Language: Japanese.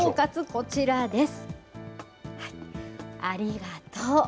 こちらです。